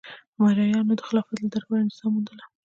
مریانو د خلافت له دربار اجازه وموندله.